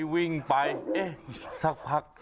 วิ่งไปสักพัก